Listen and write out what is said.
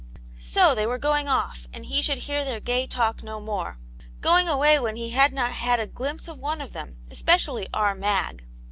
So they were going off, and he should hear their gay talk no mpre ; going away wh^n he had not had a glimpse of orle of them, especially "our Mag!"